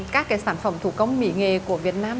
các cái sản phẩm thủ công mỹ nghệ của việt nam